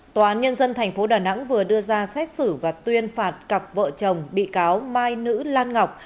tòa án nhân dân tp đà nẵng vừa đưa ra xét xử và tuyên phạt cặp vợ chồng bị cáo mai nữ lan ngọc